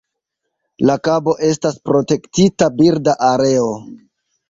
La kabo estas protektita birda areo.